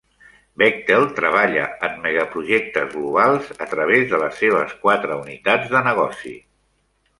Bechtel treballa en megaprojectes globals a través de les seves quatre unitats de negoci.